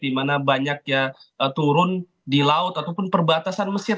di mana banyaknya turun di laut ataupun perbatasan mesir